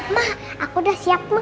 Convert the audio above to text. mama aku udah siapmu